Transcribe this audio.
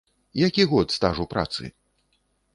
Які год стажу працы?